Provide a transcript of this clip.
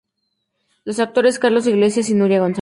Los actores: Carlos Iglesias y Nuria González.